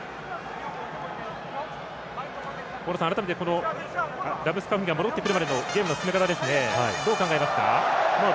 改めて、ラブスカフニが戻ってくるまでのゲームの進め方どう考えますか？